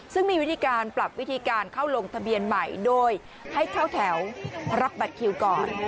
ซึ่งมีวิธีการปรับวิธีการเข้าลงทะเบียนใหม่โดยให้เช่าแถวรับบัตรคิวก่อน